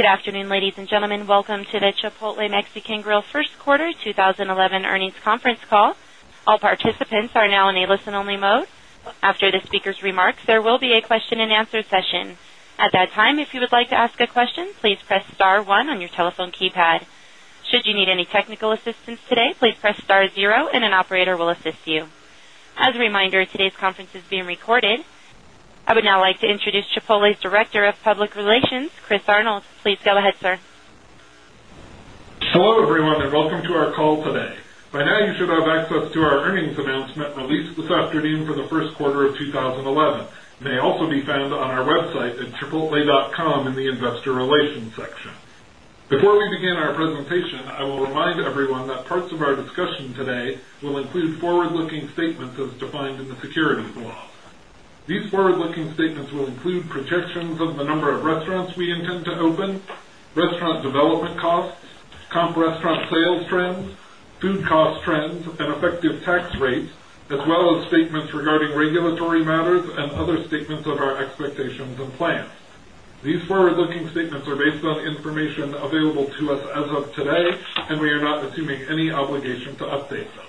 Good afternoon, ladies and gentlemen. Welcome to the Chipotle Mexican Grill First Quarter 2011 Earnings Conference Call. All participants are now in a listen-only mode. After the speaker's remarks, there will be a question-and-answer session. At that time, if you would like to ask a question, please press star one on your telephone keypad. Should you need any technical assistance today, please press star zero and an operator will assist you. As a reminder, today's conference is being recorded. I would now like to introduce Chipotle's Director of Public Relations, Chris Arnold. Please go ahead, sir. Sure, everyone, and welcome to our call today. By now, you should have access to our earnings announcement released this afternoon for the first quarter of 2011. It may also be found on our website at chipotle.com in the investor relations section. Before we begin our presentation, I will remind everyone that parts of our discussion today will include forward-looking statements as defined in the securities laws. These forward-looking statements will include projections of the number of restaurants we intend to open, restaurant development costs, restaurant sales trends, food cost trends, and effective tax rates, as well as statements regarding regulatory matters and other statements of our expectations and plans. These forward-looking statements are based on information available to us as of today, and we are not assuming any obligation to update them.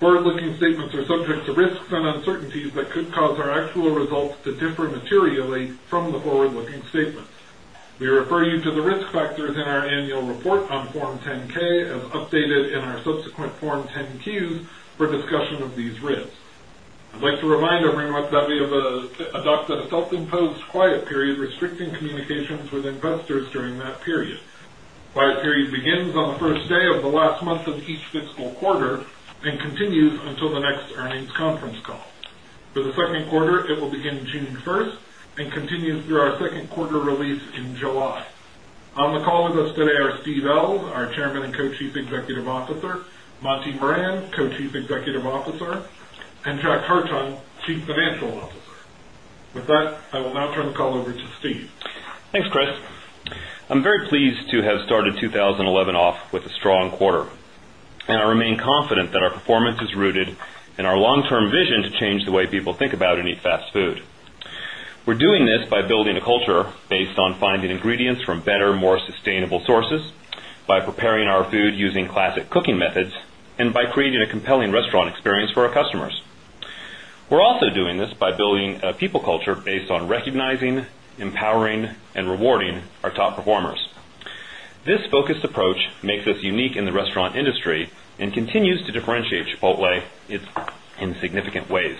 Forward-looking statements are subject to risks and uncertainties that could cause our actual results to differ materially from the forward-looking statements. We refer you to the risk factors in our annual report on Form 10-K, as updated in our subsequent Form 10-Qs for discussion of these risks. I'd like to remind everyone that we have adopted a self-imposed quiet period, restricting communications with investors during that period. The quiet period begins on the first day of the last month of each fiscal quarter and continues until the next earnings conference call. For the second quarter, it will begin June 1 and continue through our second quarter release in July. On the call with us today are Steve Ells, our Chairman and Co-Chief Executive Officer, Monty Moran, Co-Chief Executive Officer, and Jack Hartung, Chief Financial Officer. With that, I will now turn the call over to Steve. Thanks, Chris. I'm very pleased to have started 2011 off with a strong quarter, and I remain confident that our performance is rooted in our long-term vision to change the way people think about and eat fast food. We're doing this by building a culture based on finding ingredients from better, more sustainable sources, by preparing our food using classic cooking methods, and by creating a compelling restaurant experience for our customers. We're also doing this by building a people culture based on recognizing, empowering, and rewarding our top performers. This focused approach makes us unique in the restaurant industry and continues to differentiate Chipotle in significant ways.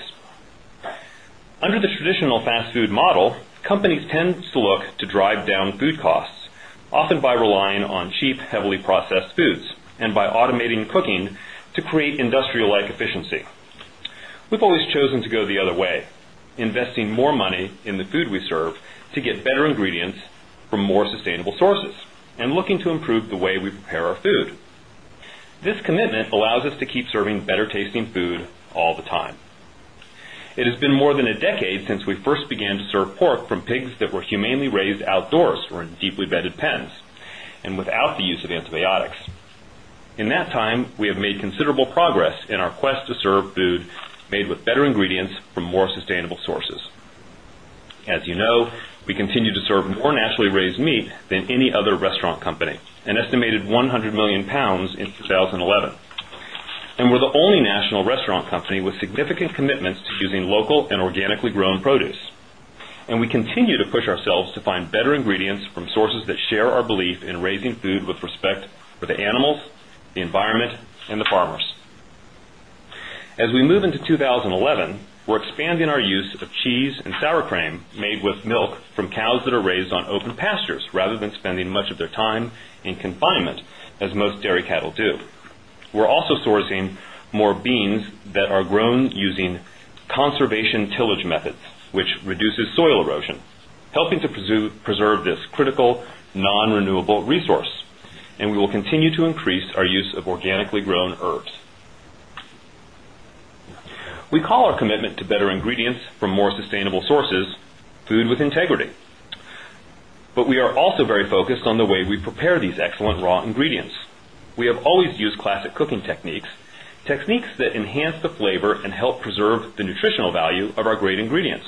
Under the traditional fast food model, companies tend to look to drive down food costs, often by relying on cheap, heavily processed foods and by automating cooking to create industrial-like efficiency. We've always chosen to go the other way, investing more money in the food we serve to get better ingredients from more sustainable sources and looking to improve the way we prepare our food. This commitment allows us to keep serving better-tasting food all the time. It has been more than a decade since we first began to serve pork from pigs that were humanely raised outdoors or in deeply bedded pens, and without the use of antibiotics. In that time, we have made considerable progress in our quest to serve food made with better ingredients from more sustainable sources. As you know, we continue to serve more naturally raised meat than any other restaurant company, an estimated 100 million lbs in 2011, and we're the only national restaurant company with significant commitments to using local and organically grown produce. We continue to push ourselves to find better ingredients from sources that share our belief in raising food with respect for the animals, the environment, and the farmers. As we move into 2011, we're expanding our use of cheese and sour cream made with milk from cows that are raised on open pastures rather than spending much of their time in confinement, as most dairy cattle do. We're also sourcing more beans that are grown using conservation tillage methods, which reduces soil erosion, helping to preserve this critical nonrenewable resource. We will continue to increase our use of organically grown herbs. We call our commitment to better ingredients from more sustainable sources food with integrity. We are also very focused on the way we prepare these excellent raw ingredients. We have always used classic cooking techniques, techniques that enhance the flavor and help preserve the nutritional value of our great ingredients.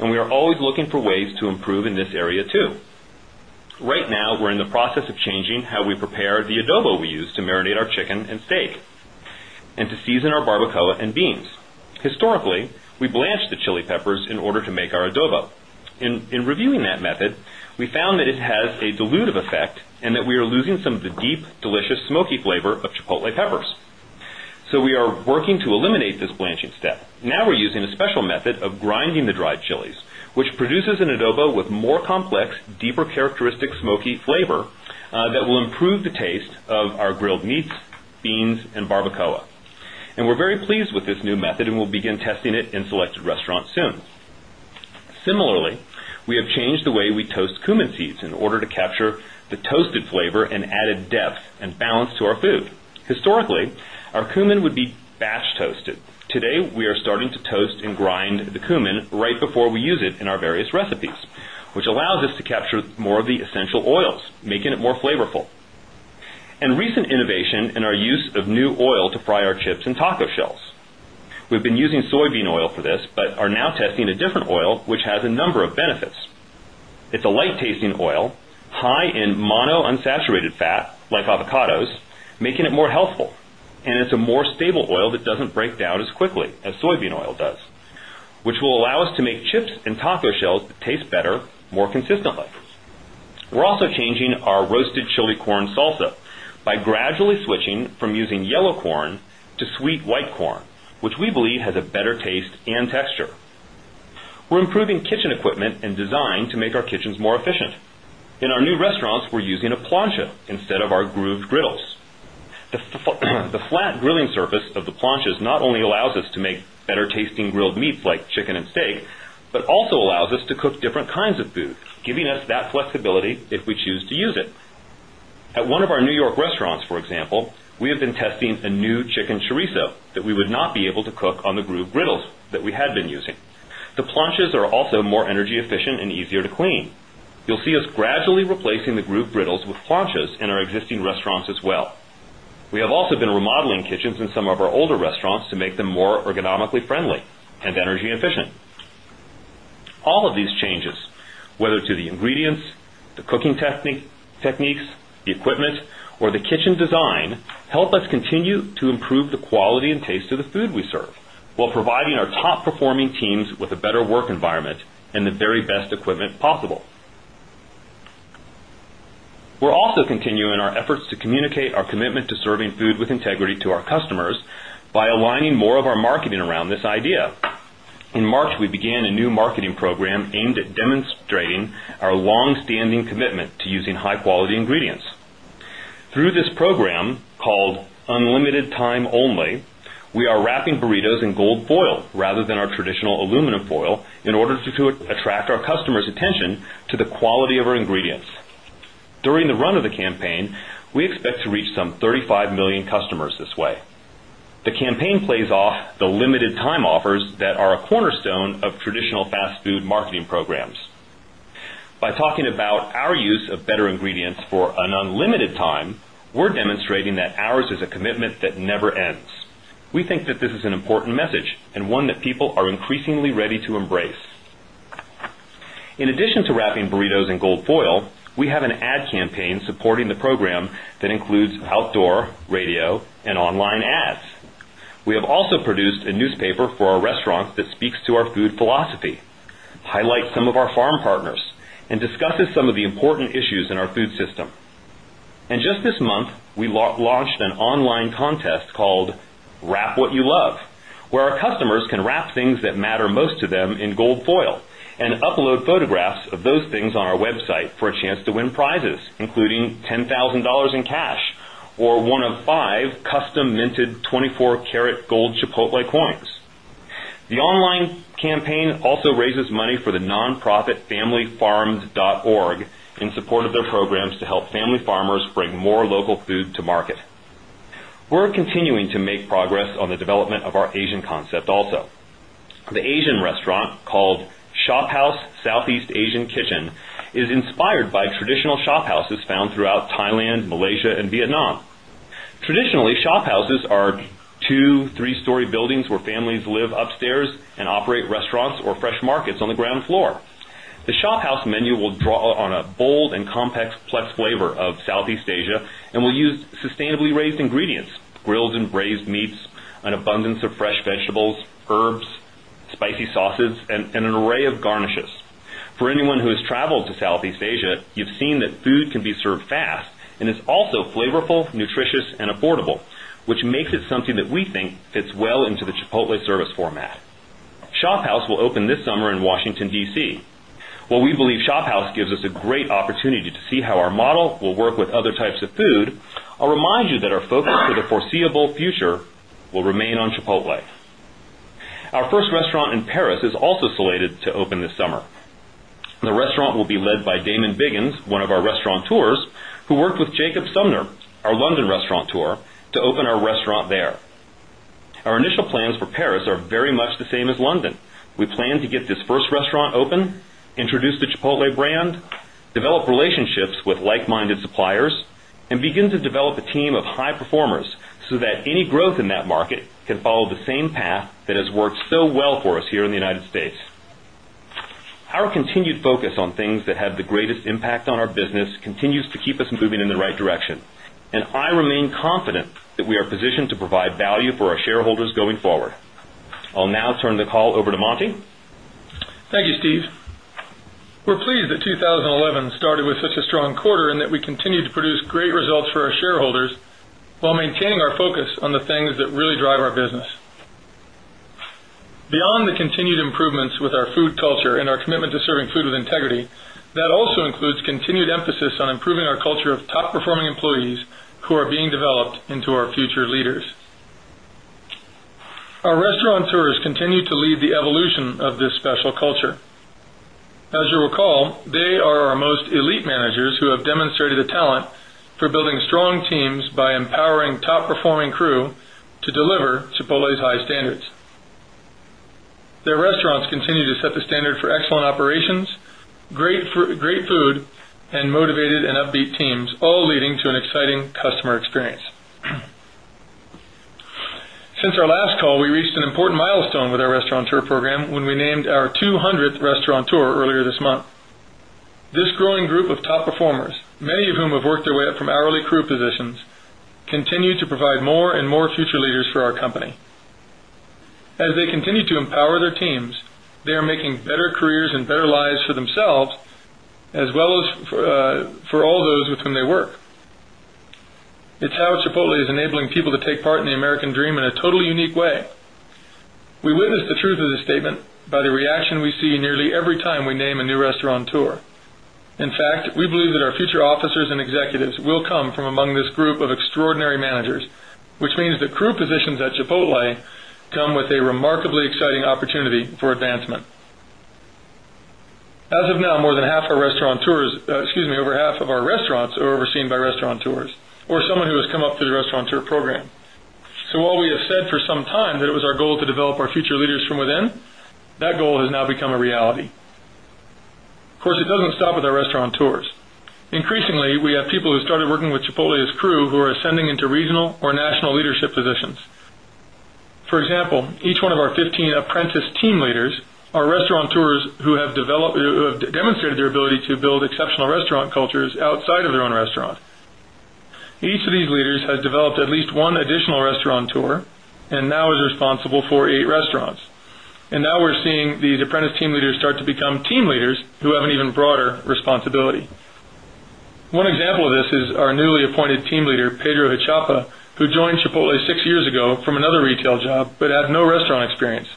We are always looking for ways to improve in this area, too. Right now, we're in the process of changing how we prepare the adobo we use to marinate our chicken and steak and to season our barbacoa and beans. Historically, we blanched the chili peppers in order to make our adobo. In reviewing that method, we found that it has a dilutive effect and that we are losing some of the deep, delicious, smoky flavor of Chipotle peppers. We are working to eliminate this blanching step. Now we're using a special method of grinding the dried chilies, which produces an adobo with more complex, deeper, characteristic smoky flavor that will improve the taste of our grilled meats, beans, and barbacoa. We're very pleased with this new method, and we'll begin testing it in selected restaurants soon. Similarly, we have changed the way we toast cumin seeds in order to capture the toasted flavor and added depth and balance to our food. Historically, our cumin would be bash-toasted. Today, we are starting to toast and grind the cumin right before we use it in our various recipes, which allows us to capture more of the essential oils, making it more flavorful. A recent innovation is our use of new oil to fry our chips and taco shells. We've been using soybean oil for this, but are now testing a different oil, which has a number of benefits. It's a light-tasting oil, high in monounsaturated fat, like avocados, making it more healthful. It's a more stable oil that doesn't break down as quickly as soybean oil does, which will allow us to make chips and taco shells that taste better, more consistently. We're also changing our roasted chili corn salsa by gradually switching from using yellow corn to sweet white corn, which we believe has a better taste and texture. We're improving kitchen equipment and design to make our kitchens more efficient. In our new restaurants, we're using a plancha instead of our grooved griddles. The flat grilling surface of the planchas not only allows us to make better-tasting grilled meats like chicken and steak, but also allows us to cook different kinds of food, giving us that flexibility if we choose to use it. At one of our New York restaurants, for example, we have been testing a new chicken chorizo that we would not be able to cook on the grooved griddles that we had been using. The planchas are also more energy efficient and easier to clean. You'll see us gradually replacing the grooved griddles with planchas in our existing restaurants as well. We have also been remodeling kitchens in some of our older restaurants to make them more ergonomically friendly and energy efficient. All of these changes, whether to the ingredients, the cooking techniques, the equipment, or the kitchen design, help us continue to improve the quality and taste of the food we serve, while providing our top-performing teams with a better work environment and the very best equipment possible. We're also continuing our efforts to communicate our commitment to serving food with integrity to our customers by aligning more of our marketing around this idea. In March, we began a new marketing program aimed at demonstrating our long-standing commitment to using high-quality ingredients. Through this program, called Unlimited Time Only, we are wrapping burritos in gold foil rather than our traditional aluminum foil in order to attract our customers' attention to the quality of our ingredients. During the run of the campaign, we expect to reach some 35 million customers this way. The campaign plays off the limited time offers that are a cornerstone of traditional fast food marketing programs. By talking about our use of better ingredients for an unlimited time, we're demonstrating that ours is a commitment that never ends. We think that this is an important message and one that people are increasingly ready to embrace. In addition to wrapping burritos in gold foil, we have an ad campaign supporting the program that includes outdoor, radio, and online ads. We have also produced a newspaper for our restaurants that speaks to our food philosophy, highlights some of our farm partners, and discusses some of the important issues in our food system. Just this month, we launched an online contest called Wrap What You Love, where our customers can wrap things that matter most to them in gold foil and upload photographs of those things on our website for a chance to win prizes, including $10,000 in cash or one of five custom minted 24-karat gold Chipotle coins. The online campaign also raises money for the nonprofit FamilyFarms.org in support of their programs to help family farmers bring more local food to market. We're continuing to make progress on the development of our Asian concept also. The Asian restaurant called ShopHouse Southeast Asian Kitchen is inspired by traditional shophouses found throughout Thailand, Malaysia, and Vietnam. Traditionally, shophouses are two- or three-story buildings where families live upstairs and operate restaurants or fresh markets on the ground floor. The ShopHouse menu will draw on a bold and complex flavor of Southeast Asia and will use sustainably raised ingredients, grilled and braised meats, an abundance of fresh vegetables, herbs, spicy sauces, and an array of garnishes. For anyone who has traveled to Southeast Asia, you've seen that food can be served fast and is also flavorful, nutritious, and affordable, which makes it something that we think fits well into the Chipotle service format. ShopHouse will open this summer in Washington, DC. While we believe ShopHouse gives us a great opportunity to see how our model will work with other types of food, I'll remind you that our focus for the foreseeable future will remain on Chipotle. Our first restaurant in Paris is also slated to open this summer. The restaurant will be led by Damon Biggins, one of our restaurateurs, who worked with Jacob Sumner, our London restaurateur, to open our restaurant there. Our initial plans for Paris are very much the same as London. We plan to get this first restaurant open, introduce the Chipotle brand, develop relationships with like-minded suppliers, and begin to develop a team of high performers so that any growth in that market can follow the same path that has worked so well for us here in the United States. Our continued focus on things that have the greatest impact on our business continues to keep us moving in the right direction, and I remain confident that we are positioned to provide value for our shareholders going forward. I'll now turn the call over to Monty. Thank you, Steve. We're pleased that 2011 started with such a strong quarter and that we continue to produce great results for our shareholders while maintaining our focus on the things that really drive our business. Beyond the continued improvements with our food culture and our commitment to serving food with integrity, that also includes continued emphasis on improving our culture of top-performing employees who are being developed into our future leaders. Our restaurateurs continue to lead the evolution of this special culture. As you'll recall, they are our most elite managers who have demonstrated the talent for building strong teams by empowering top-performing crew to deliver Chipotle's high standards. Their restaurants continue to set the standard for excellent operations, great food, and motivated and upbeat teams, all leading to an exciting customer experience. Since our last call, we reached an important milestone with our restaurateur program when we named our 200th Restaurateur earlier this month. This growing group of top performers, many of whom have worked their way up from hourly crew positions, continue to provide more and more future leaders for our company. As they continue to empower their teams, they are making better careers and better lives for themselves, as well as for all those with whom they work. It's how Chipotle is enabling people to take part in the American dream in a totally unique way. We witness the truth of this statement by the reaction we see nearly every time we name a new restaurateur. In fact, we believe that our future officers and executives will come from among this group of extraordinary managers, which means that crew positions at Chipotle come with a remarkably exciting opportunity for advancement. As of now, more than half our restaurateurs, excuse me, over half of our restaurants are overseen by restaurateurs or someone who has come up through the restaurateur program. While we have said for some time that it was our goal to develop our future leaders from within, that goal has now become a reality. Of course, it doesn't stop with our restaurateurs. Increasingly, we have people who started working with Chipotle's crew who are ascending into regional or national leadership positions. For example, each one of our 15 apprentice team leaders are restaurateurs who have developed or have demonstrated their ability to build exceptional restaurant cultures outside of their own restaurant. Each of these leaders has developed at least one additional restaurateur and now is responsible for eight restaurants. We are seeing these apprentice team leaders start to become team leaders who have an even broader responsibility. One example of this is our newly appointed Team Leader, Pedro Huichapa, who joined Chipotle six years ago from another retail job but had no restaurant experience.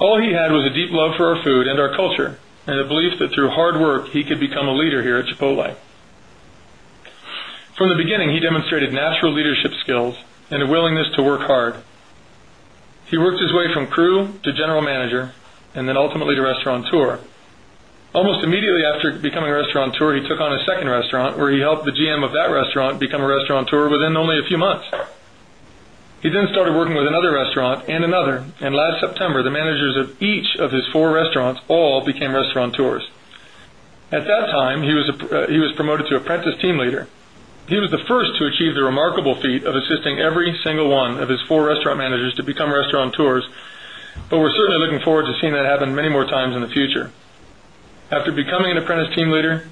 All he had was a deep love for our food and our culture and a belief that through hard work he could become a leader here at Chipotle. From the beginning, he demonstrated natural leadership skills and a willingness to work hard. He worked his way from crew to General Manager and then ultimately to restaurateur. Almost immediately after becoming a restaurateur, he took on a second restaurant where he helped the GM of that restaurant become a restaurateur within only a few months. He then started working with another restaurant and another, and last September, the managers of each of his four restaurants all became restaurateurs. At that time, he was promoted to Apprentice Team Leader. He was the first to achieve the remarkable feat of assisting every single one of his four restaurant managers to become restaurateurs. We are certainly looking forward to seeing that happen many more times in the future. After becoming an Apprentice Team Leader,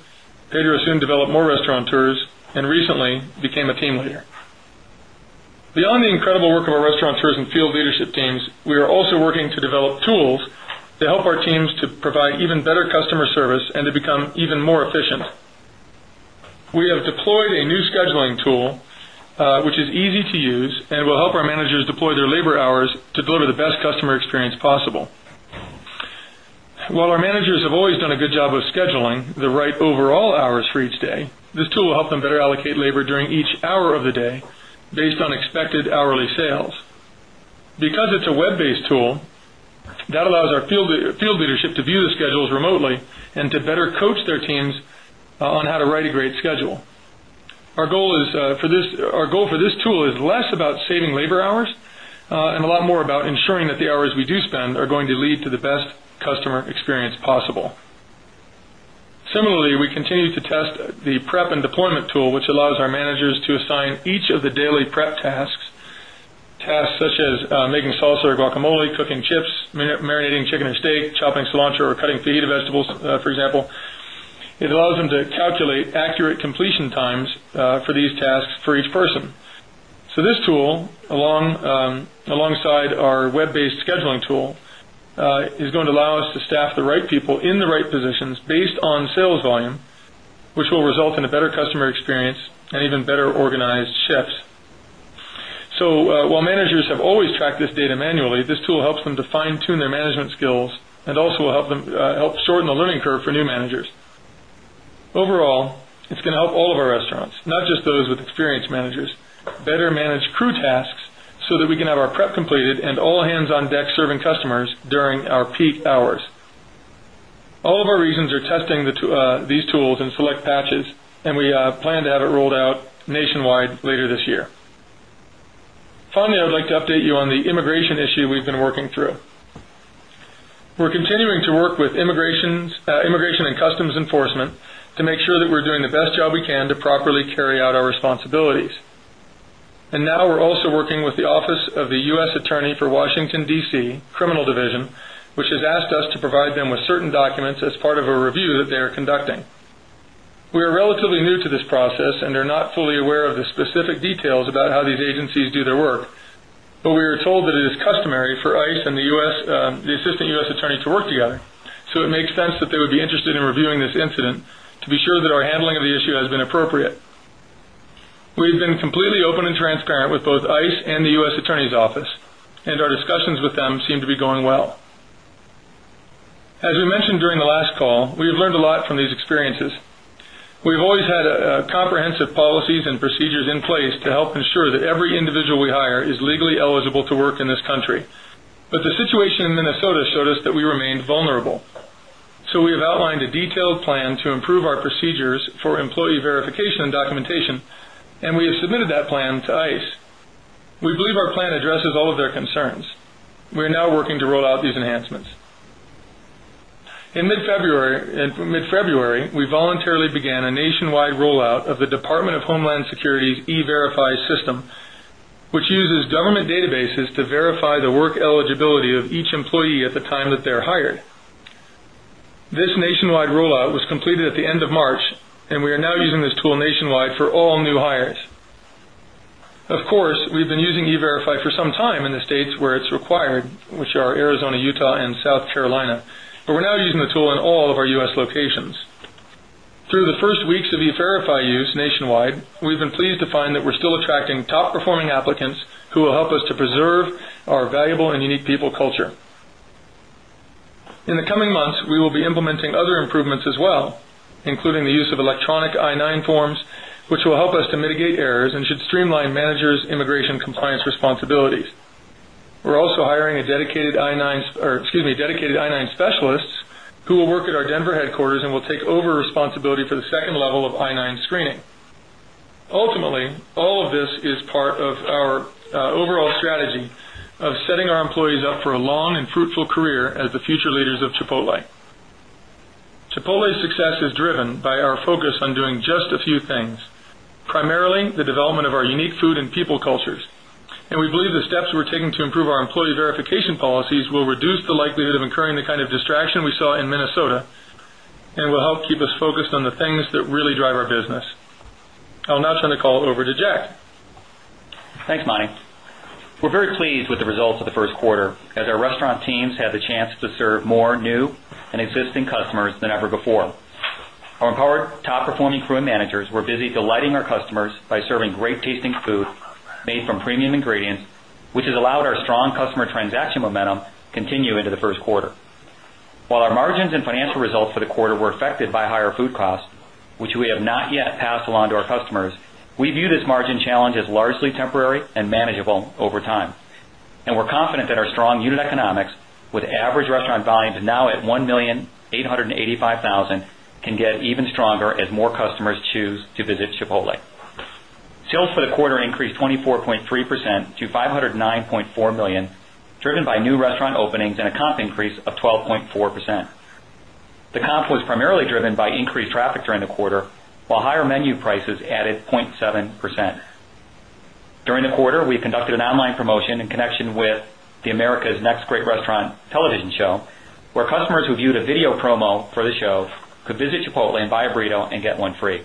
Pedro soon developed more restaurateurs and recently became a Team Leader. Beyond the incredible work of our restaurateurs and field leadership teams, we are also working to develop tools to help our teams to provide even better customer service and to become even more efficient. We have deployed a new scheduling tool, which is easy to use and will help our managers deploy their labor hours to deliver the best customer experience possible. While our managers have always done a good job of scheduling the right overall hours for each day, this tool will help them better allocate labor during each hour of the day based on expected hourly sales. Because it's a web-based tool, that allows our field leadership to view the schedules remotely and to better coach their teams on how to write a great schedule. Our goal for this tool is less about saving labor hours and a lot more about ensuring that the hours we do spend are going to lead to the best customer experience possible. Similarly, we continue to test the prep and deployment tool, which allows our managers to assign each of the daily prep tasks, tasks such as making salsa or guacamole, cooking chips, marinating chicken or steak, chopping cilantro, or cutting fajita vegetables, for example. It allows them to calculate accurate completion times for these tasks for each person. This tool, alongside our web-based scheduling tool, is going to allow us to staff the right people in the right positions based on sales volume, which will result in a better customer experience and even better organized chefs. While managers have always tracked this data manually, this tool helps them to fine-tune their management skills and also will help shorten the learning curve for new managers. Overall, it's going to help all of our restaurants, not just those with experienced managers, better manage crew tasks so that we can have our prep completed and all hands on deck serving customers during our peak hours. All of our regions are testing these tools in select patches, and we plan to have it rolled out nationwide later this year. Finally, I would like to update you on the immigration issue we've been working through. We're continuing to work with U.S. Immigration and Customs Enforcement to make sure that we're doing the best job we can to properly carry out our responsibilities. Now we're also working with the U.S. Attorney’s Office for Washington, DC, Criminal Division, which has asked us to provide them with certain documents as part of a review that they are conducting. We are relatively new to this process and are not fully aware of the specific details about how these agencies do their work, but we were told that it is customary for ICE and the Assistant U.S. Attorney to work together. It makes sense that they would be interested in reviewing this incident to be sure that our handling of the issue has been appropriate. We've been completely open and transparent with both ICE and the U.S. Attorney’s Office, and our discussions with them seem to be going well. As we mentioned during the last call, we have learned a lot from these experiences. We've always had comprehensive policies and procedures in place to help ensure that every individual we hire is legally eligible to work in this country. The situation in Minnesota showed us that we remained vulnerable. We have outlined a detailed plan to improve our procedures for employee verification and documentation, and we have submitted that plan to U.S. Immigration and Customs Enforcement. We believe our plan addresses all of their concerns. We are now working to roll out these enhancements. In mid-February, we voluntarily began a nationwide rollout of the Department of Homeland Security's E-Verify system, which uses government databases to verify the work eligibility of each employee at the time that they're hired. This nationwide rollout was completed at the end of March, and we are now using this tool nationwide for all new hires. Of course, we've been using E-Verify for some time in the states where it's required, which are Arizona, Utah, and South Carolina, but we're now using the tool in all of our U.S. locations. Through the first weeks of E-Verify use nationwide, we've been pleased to find that we're still attracting top-performing applicants who will help us to preserve our valuable and unique people culture. In the coming months, we will be implementing other improvements as well, including the use of electronic I-9 Forms, which will help us to mitigate errors and should streamline managers' immigration compliance responsibilities. We're also hiring a dedicated I-9 specialist who will work at our Denver headquarters and will take over responsibility for the second level of I-9 screening. Ultimately, all of this is part of our overall strategy of setting our employees up for a long and fruitful career as the future leaders of Chipotle Mexican Grill. Chipotle's success is driven by our focus on doing just a few things, primarily the development of our unique food and people cultures. We believe the steps we're taking to improve our employee verification policies will reduce the likelihood of incurring the kind of distraction we saw in Minnesota and will help keep us focused on the things that really drive our business. I'll now turn the call over to Jack. Thanks, Monty. We're very pleased with the results of the first quarter as our restaurant teams had the chance to serve more new and existing customers than ever before. Our empowered top-performing crew and managers were busy delighting our customers by serving great-tasting food made from premium ingredients, which has allowed our strong customer transaction momentum to continue into the first quarter. While our margins and financial results for the quarter were affected by higher food costs, which we have not yet passed along to our customers, we view this margin challenge as largely temporary and manageable over time. We're confident that our strong unit economics, with average restaurant volumes now at $1.885 million can get even stronger as more customers choose to visit Chipotle. Sales for the quarter increased 24.3% to $509.4 million, driven by new restaurant openings and a comp increase of 12.4%. The comp was primarily driven by increased traffic during the quarter, while higher menu prices added 0.7%. During the quarter, we conducted an online promotion in connection with the America's Next Great Restaurant television show, where customers who viewed a video promo for the show could visit Chipotle and buy a burrito and get one free.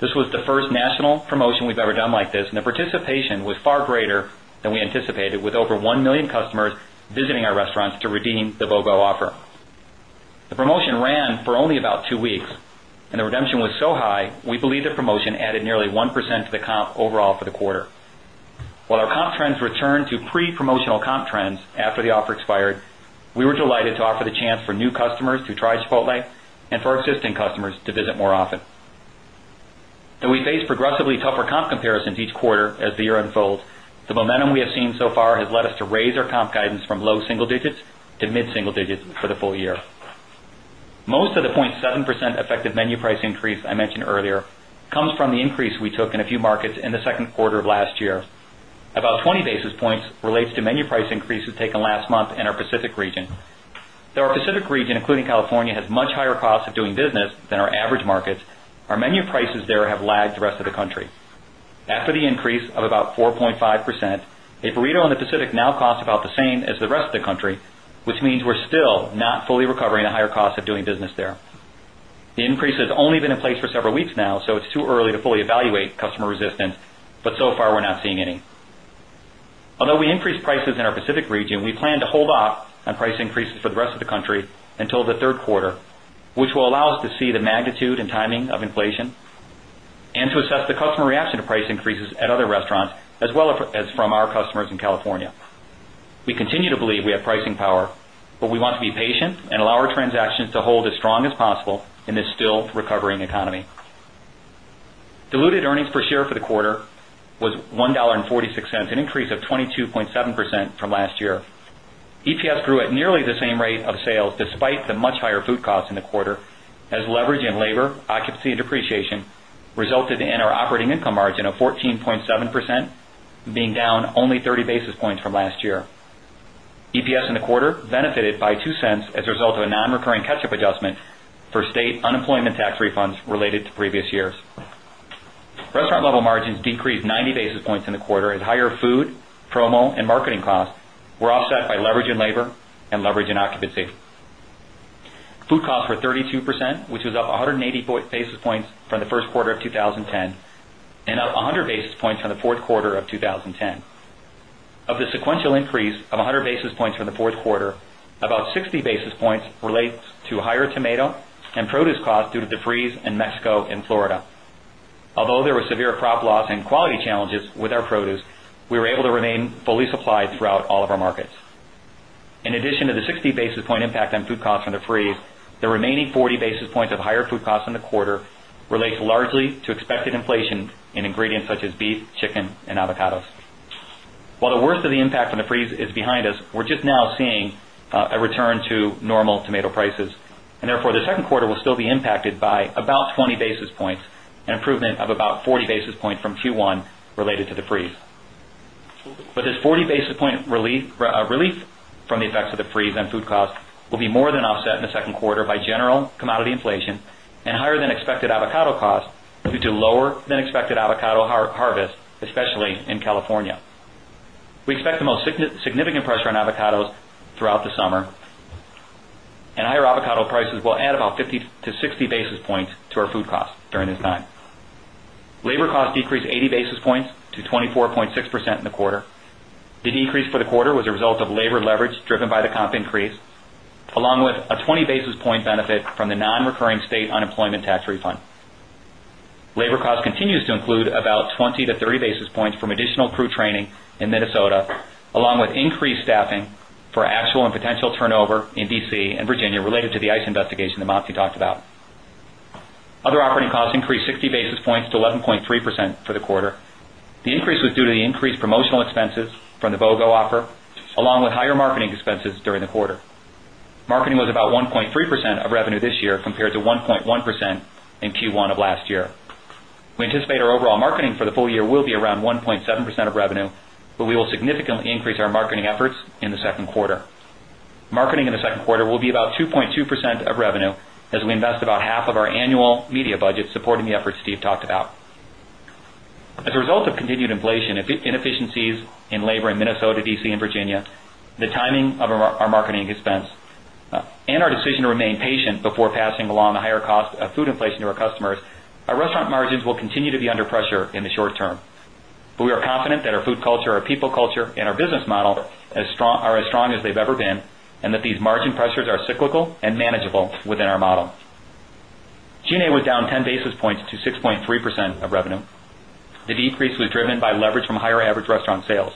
This was the first national promotion we've ever done like this, and the participation was far greater than we anticipated, with over 1 million customers visiting our restaurants to redeem the BOGO offer. The promotion ran for only about two weeks, and the redemption was so high, we believe the promotion added nearly 1% to the comp overall for the quarter. While our comp trends returned to pre-promotional comp trends after the offer expired, we were delighted to offer the chance for new customers to try Chipotle and for our existing customers to visit more often. Though we face progressively tougher comp comparisons each quarter as the year unfolds, the momentum we have seen so far has led us to raise our comp guidance from low single digits to mid-single digits for the full year. Most of the 0.7% effective menu price increase I mentioned earlier comes from the increase we took in a few markets in the second quarter of last year. About 20 basis points relate to menu price increases taken last month in our Pacific region. Though our Pacific region, including California, has much higher costs of doing business than our average markets, our menu prices there have lagged the rest of the country. After the increase of about 4.5%, a burrito in the Pacific now costs about the same as the rest of the country, which means we're still not fully recovering the higher costs of doing business there. The increase has only been in place for several weeks now, so it's too early to fully evaluate customer resistance, but so far we're not seeing any. Although we increased prices in our Pacific region, we plan to hold off on price increases for the rest of the country until the third quarter, which will allow us to see the magnitude and timing of inflation and to assess the customer reaction to price increases at other restaurants, as well as from our customers in California. We continue to believe we have pricing power, but we want to be patient and allow our transactions to hold as strong as possible in this still recovering economy. Diluted earnings per share for the quarter was $1.46, an increase of 22.7% from last year. EPS grew at nearly the same rate of sales despite the much higher food costs in the quarter, as leverage in labor, occupancy, and depreciation resulted in our operating income margin of 14.7% being down only 30 basis points from last year. EPS in the quarter benefited by $0.02 as a result of a non-recurring catch-up adjustment for state unemployment tax refunds related to previous years. Restaurant-level margins decreased 90 basis points in the quarter, as higher food, promo, and marketing costs were offset by leverage in labor and leverage in occupancy. Food costs were 32%, which was up 180 basis points from the first quarter of 2010, and up 100 basis points from the fourth quarter of 2010. Of the sequential increase of 100 basis points from the fourth quarter, about 60 basis points relate to higher tomato and produce costs due to the freeze in Mexico and Florida. Although there were severe crop loss and quality challenges with our produce, we were able to remain fully supplied throughout all of our markets. In addition to the 60 basis point impact on food costs from the freeze, the remaining 40 basis points of higher food costs in the quarter relate largely to expected inflation in ingredients such as beef, chicken, and avocados. While the worst of the impact from the freeze is behind us, we're just now seeing a return to normal tomato prices, and therefore the second quarter will still be impacted by about 20 basis points and an improvement of about 40 basis points from Q1 related to the freeze. This 40 basis point relief from the effects of the freeze on food costs will be more than offset in the second quarter by general commodity inflation and higher than expected avocado costs due to lower than expected avocado harvest, especially in California. We expect the most significant pressure on avocados throughout the summer, and higher avocado prices will add about 50-60 basis points to our food costs during this time. Labor costs decreased 80 basis points to 24.6% in the quarter. The decrease for the quarter was a result of labor leverage driven by the comp increase, along with a 20 basis point benefit from the non-recurring state unemployment tax refund. Labor costs continue to include about 20-30 basis points from additional crew training in Minnesota, along with increased staffing for actual and potential turnover in DC and Virginia related to the ICE investigation that Monty talked about. Other operating costs increased 60 basis points to 11.3% for the quarter. The increase was due to the increased promotional expenses from the BOGO offer, along with higher marketing expenses during the quarter. Marketing was about 1.3% of revenue this year compared to 1.1% in Q1 of last year. We anticipate our overall marketing for the full year will be around 1.7% of revenue, but we will significantly increase our marketing efforts in the second quarter. Marketing in the second quarter will be about 2.2% of revenue, as we invest about half of our annual media budget supporting the efforts Steve talked about. As a result of continued inflation inefficiencies in labor in Minnesota, DC, and Virginia, the timing of our marketing expense, and our decision to remain patient before passing along the higher cost of food inflation to our customers, our restaurant margins will continue to be under pressure in the short term. We are confident that our food culture, our people culture, and our business model are as strong as they've ever been, and that these margin pressures are cyclical and manageable within our model. G&A was down 10 basis points to 6.3% of revenue. The decrease was driven by leverage from higher average restaurant sales.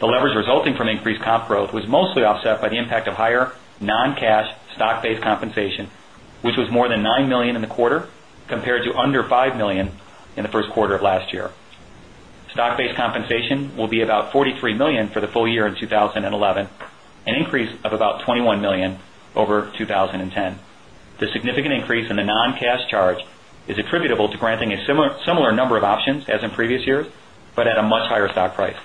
The leverage resulting from increased comp growth was mostly offset by the impact of higher non-cash stock-based compensation, which was more than $9 million in the quarter compared to under $5 million in the first quarter of last year. Stock-based compensation will be about $43 million for the full year in 2011, an increase of about $21 million over 2010. The significant increase in the non-cash charge is attributable to granting a similar number of options as in previous years, but at a much higher stock price.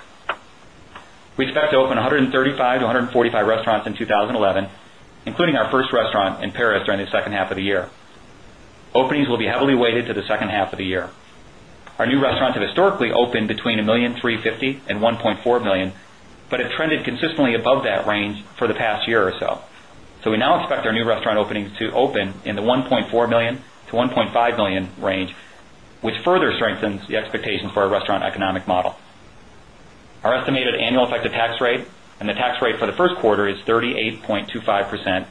We expect to open 135-145 restaurants in 2011, including our first restaurant in Paris during the second half of the year. Openings will be heavily weighted to the second half of the year. Our new restaurants have historically opened between $1.350 million and $1.4 million, but have trended consistently above that range for the past year or so. We now expect our new restaurant openings to open in the $1.4 million-$1.5 million range, which further strengthens the expectations for our restaurant economic model. Our estimated annual effective tax rate and the tax rate for the first quarter is 38.25%.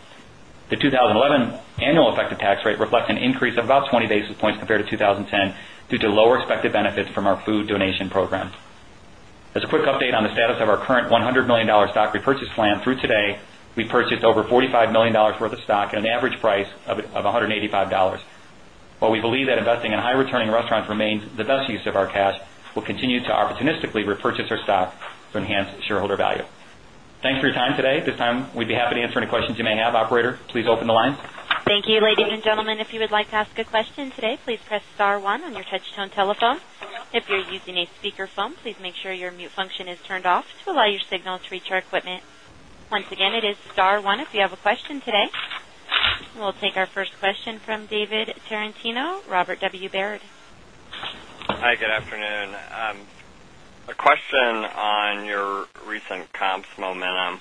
The 2011 annual effective tax rate reflects an increase of about 20 basis points compared to 2010 due to lower expected benefits from our food donation program. As a quick update on the status of our current $100 million stock repurchase plan, through today, we've purchased over $45 million worth of stock at an average price of $185. While we believe that investing in high-returning restaurants remains the best use of our cash, we'll continue to opportunistically repurchase our stock to enhance shareholder value. Thanks for your time today. At this time, we'd be happy to answer any questions you may have. Operator, please open the line. Thank you, ladies and gentlemen. If you would like to ask a question today, please press star one on your touch-tone telephone. If you're using a speaker phone, please make sure your mute function is turned off to allow your signal to reach our equipment. Once again, it is star one if you have a question today. We'll take our first question from David Tarantino, Robert W. Baird & Co. Hi, good afternoon. A question on your recent comps momentum.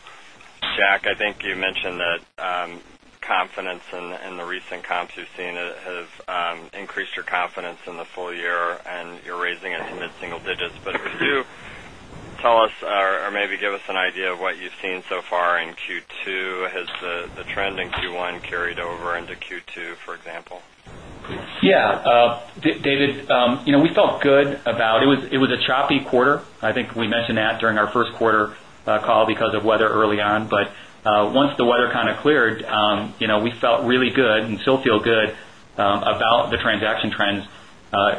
Jack, I think you mentioned that confidence in the recent comps you've seen has increased your confidence in the full year, and you're raising it to mid-single digits. Could you tell us or maybe give us an idea of what you've seen so far in Q2? Has the trend in Q1 carried over into Q2, for example? Yeah, David, you know we felt good about it. It was a choppy quarter. I think we mentioned that during our first quarter call because of weather early on. Once the weather kind of cleared, you know we felt really good and still feel good about the transaction trends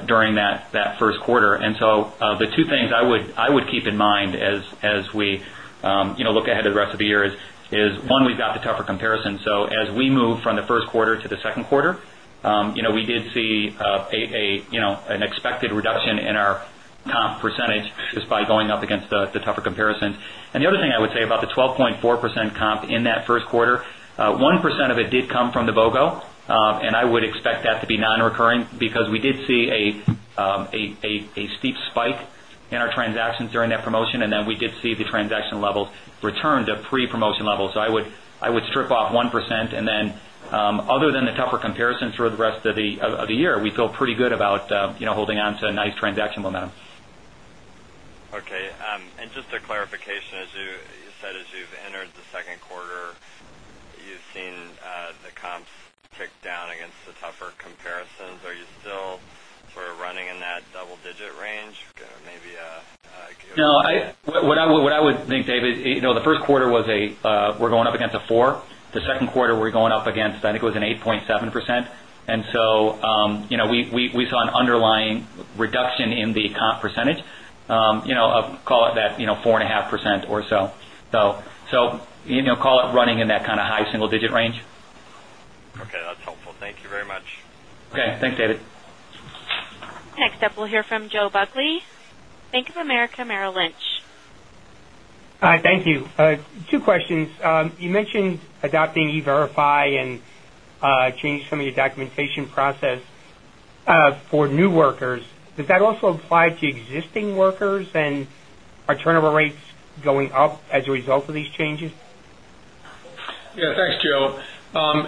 during that first quarter. The two things I would keep in mind as we look ahead to the rest of the year is, one, we've got the tougher comparison. As we move from the first quarter to the second quarter, you know we did see an expected reduction in our comp percentage just by going up against the tougher comparisons. The other thing I would say about the 12.4% comp in that first quarter, 1% of it did come from the BOGO promotion, and I would expect that to be non-recurring because we did see a steep spike in our transactions during that promotion. We did see the transaction levels return to pre-promotion levels. I would strip off 1%. Other than the tougher comparisons for the rest of the year, we feel pretty good about holding on to a nice transaction momentum. Okay. Just a clarification, as you said, as you've entered the second quarter, you've seen the comps trick down against the tougher comparisons. Are you still sort of running in that double-digit range? No, what I would think, David, you know the first quarter was a we're going up against a 4%. The second quarter we're going up against, I think it was an 8.7%. You know we saw an underlying reduction in the comp percentage of, call it, that 4.5% or so. You know, call it running in that kind of high single-digit range. Okay, that's helpful. Thank you very much. Okay, thanks, David. Next up, we'll hear from Joe Buckley, Bank of America. Hi, thank you. Two questions. You mentioned adopting E-Verify and changing some of your documentation process for new workers. Did that also apply to existing workers, and are turnover rates going up as a result of these changes? Yeah, thanks, Joe.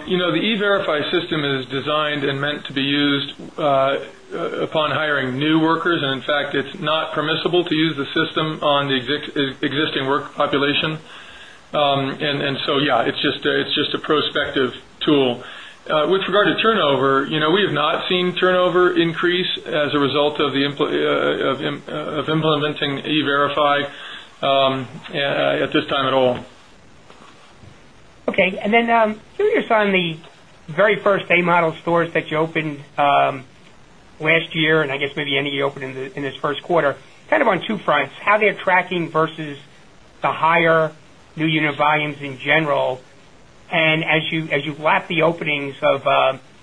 You know the E-Verify system is designed and meant to be used upon hiring new workers. In fact, it's not permissible to use the system on the existing work population, so it's just a prospective tool. With regard to turnover, you know we have not seen turnover increase as a result of implementing E-Verify at this time at all. Okay. Curious on the very first A-model stores that you opened last year, and I guess maybe any you opened in this first quarter, kind of on two fronts, how they're tracking versus the higher new unit volumes in general. As you've lapped the openings of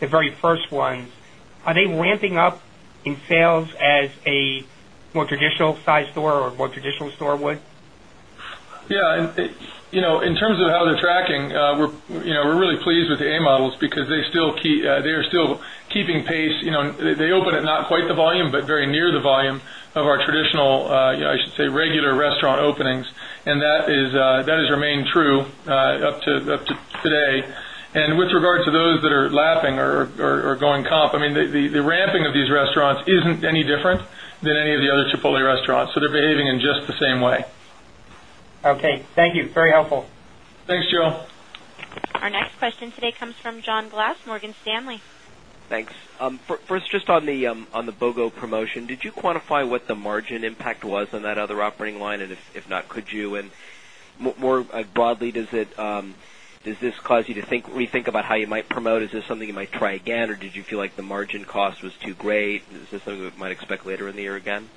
the very first ones, are they ramping up in sales as a more traditional size store or a more traditional store would? Yeah, in terms of how they're tracking, we're really pleased with the A-models because they are still keeping pace. They open at not quite the volume, but very near the volume of our traditional, I should say, regular restaurant openings. That has remained true up to today. With regard to those that are lapping or going comp, the ramping of these restaurants isn't any different than any of the other Chipotle restaurants. They're behaving in just the same way. Okay, thank you. It's very helpful. Thanks, Joe. Our next question today comes from John Glass, Morgan Stanley. Thanks. First, just on the BOGO promotion, did you quantify what the margin impact was on that other operating line? If not, could you? More broadly, does this cause you to rethink about how you might promote? Is this something you might try again, or did you feel like the margin cost was too great? Is this something that we might expect later in the year again?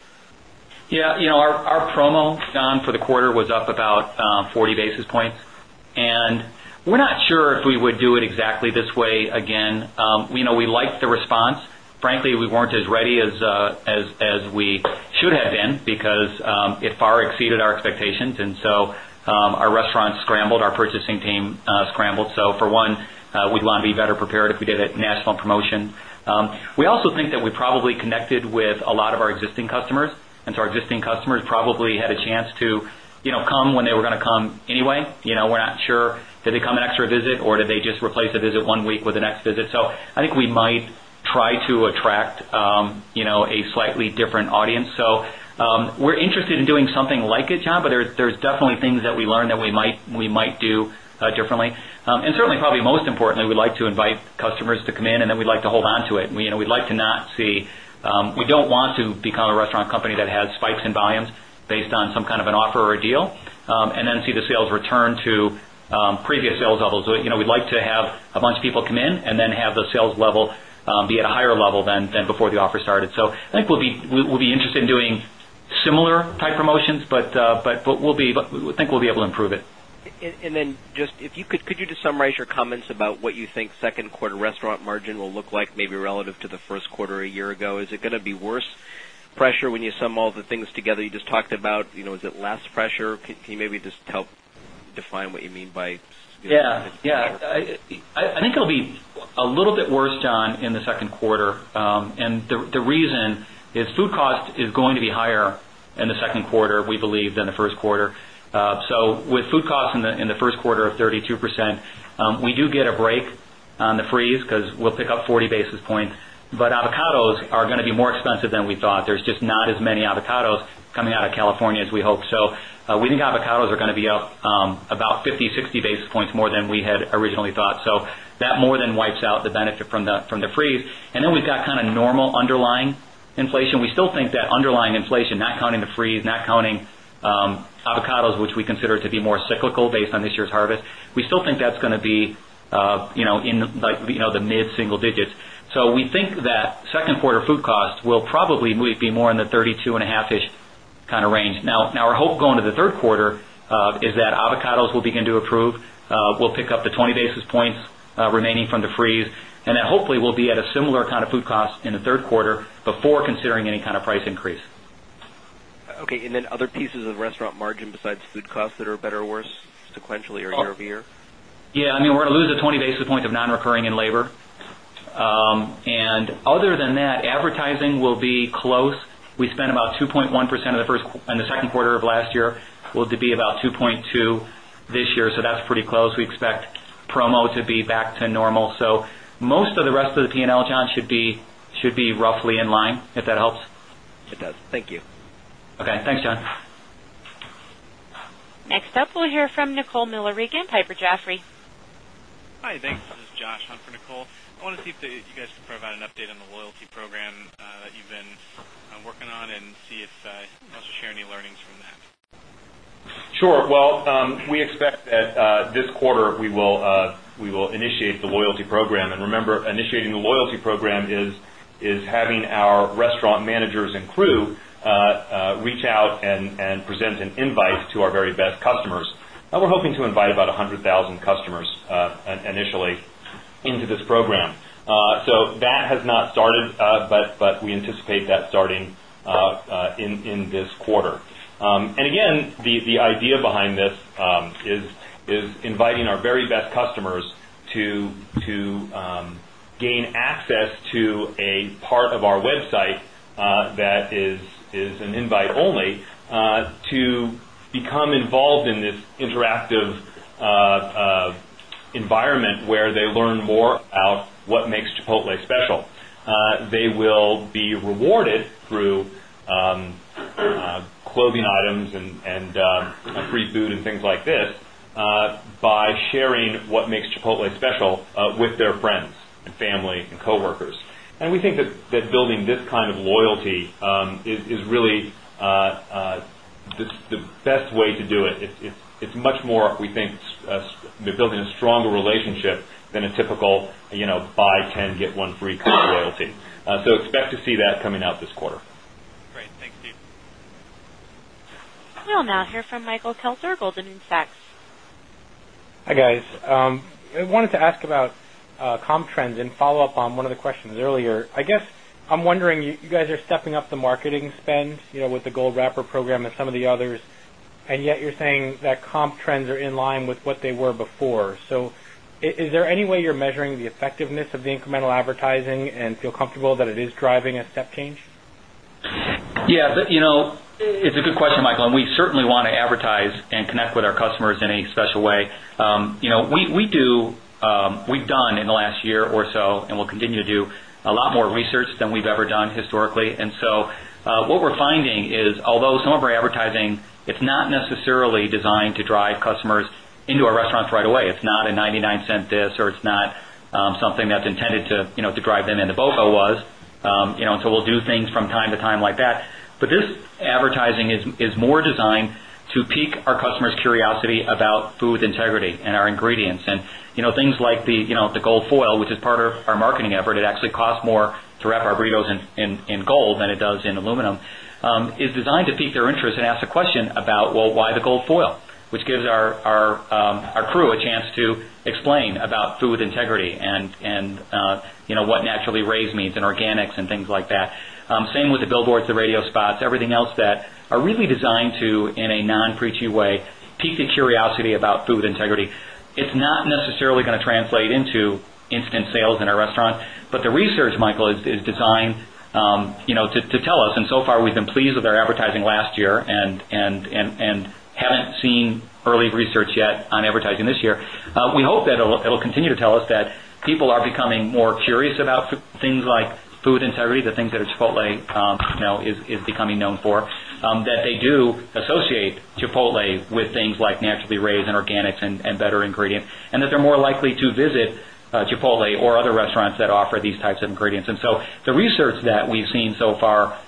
Yeah, you know our promo stunt for the quarter was up about 40 basis points. We're not sure if we would do it exactly this way again. We liked the response. Frankly, we weren't as ready as we should have been because it far exceeded our expectations. Our restaurants scrambled, our purchasing team scrambled. For one, we'd want to be better prepared if we did a national promotion. We also think that we probably connected with a lot of our existing customers. Our existing customers probably had a chance to come when they were going to come anyway. We're not sure, did they come an extra visit or did they just replace a visit one week with the next visit? I think we might try to attract a slightly different audience. We're interested in doing something like it, John, but there are definitely things that we learned that we might do differently. Certainly, probably most importantly, we'd like to invite customers to come in and then we'd like to hold on to it. We don't want to become a restaurant company that has spikes in volumes based on some kind of an offer or a deal and then see the sales return to previous sales levels. We'd like to have a bunch of people come in and then have the sales level be at a higher level than before the offer started. I think we'll be interested in doing similar type promotions, but we think we'll be able to improve it. If you could, could you just summarize your comments about what you think second quarter restaurant margin will look like, maybe relative to the first quarter a year ago? Is it going to be worse pressure when you sum all the things together you just talked about? Is it less pressure? Can you maybe just help define what you mean by? Yeah, I think it'll be a little bit worse, John, in the second quarter. The reason is food cost is going to be higher in the second quarter, we believe, than the first quarter. With food costs in the first quarter of 32%, we do get a break on the freeze because we'll pick up 40 basis points. Avocados are going to be more expensive than we thought. There's just not as many avocados coming out of California as we hope. We think avocados are going to be up about 50, 60 basis points more than we had originally thought. That more than wipes out the benefit from the freeze. We've got kind of normal underlying inflation. We still think that underlying inflation, not counting the freeze, not counting avocados, which we consider to be more cyclical based on this year's harvest, is going to be in the mid-single digits. We think that second quarter food costs will probably be more in the 32.5%-ish kind of range. Our hope going to the third quarter is that avocados will begin to improve, we'll pick up the 20 basis points remaining from the freeze, and hopefully we'll be at a similar kind of food cost in the third quarter before considering any kind of price increase. Okay, and then other pieces of the restaurant margin besides food costs that are better, worth sequentially or year over year? Yeah, I mean we're going to lose the 20 basis points of non-recurring in labor. Other than that, advertising will be close. We spent about 2.1% in the second quarter of last year, will be about 2.2% this year. That's pretty close. We expect promo to be back to normal. Most of the rest of the P&L, John, should be roughly in line, if that helps. It does. Thank you. Okay, thanks, John. Next up, we'll hear from Nicole Miller Regan, Piper Jaffray. Hi, thanks. This is Josh Hunt for Nicole. I want to see if you guys could provide an update on the loyalty program that you've been working on and see if you also share any learnings from that. Sure. We expect that this quarter we will initiate the loyalty program. Remember, initiating the loyalty program is having our restaurant managers and crew reach out and present an invite to our very best customers. We're hoping to invite about 100,000 customers initially into this program. That has not started, but we anticipate that starting in this quarter. The idea behind this is inviting our very best customers to gain access to a part of our website that is invite only to become involved in this interactive environment where they learn more about what makes Chipotle special. They will be rewarded through clothing items and free food and things like this by sharing what makes Chipotle special with their friends and family and coworkers. We think that building this kind of loyalty is really the best way to do it. It's much more, we think, building a stronger relationship than a typical buy 10, get one free kind of loyalty. Expect to see that coming out this quarter. Great, thanks, Steve. We'll now hear from Michael Kessler, Goldman Sachs. Hi guys. I wanted to ask about comp trends and follow up on one of the questions earlier. I guess I'm wondering, you guys are stepping up the marketing spend with the gold foil campaign and some of the others, and yet you're saying that comp trends are in line with what they were before. Is there any way you're measuring the effectiveness of the incremental advertising and feel comfortable that it is driving a step change? Yeah, you know it's a good question, Michael, and we certainly want to advertise and connect with our customers in a special way. You know we've done in the last year or so, and we'll continue to do a lot more research than we've ever done historically. What we're finding is, although some of our advertising is not necessarily designed to drive customers into our restaurants right away, it's not a $0.99 dish or it's not something that's intended to drive them in. The BOGO promotion was, you know, and we'll do things from time to time like that. This advertising is more designed to pique our customers' curiosity about food integrity and our ingredients. Things like the gold foil, which is part of our marketing effort—it actually costs more to wrap our burritos in gold than it does in aluminum—are designed to pique their interest and ask a question about, well, why the gold foil? This gives our crew a chance to explain about food integrity and what naturally raised means and organics and things like that. Same with the billboards, the radio spots, everything else that are really designed to, in a non-preachy way, pique the curiosity about food integrity. It's not necessarily going to translate into instant sales in our restaurant, but the research, Michael, is designed to tell us. So far, we've been pleased with our advertising last year and haven't seen early research yet on advertising this year. We hope that it'll continue to tell us that people are becoming more curious about things like food integrity, the things that Chipotle is becoming known for, that they do associate Chipotle with things like naturally raised and organics and better ingredients, and that they're more likely to visit Chipotle or other restaurants that offer these types of ingredients. The research that we've seen so far